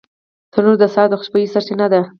تنور د سهار د خوشبویۍ سرچینه ده